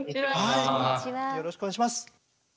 よろしくお願いします。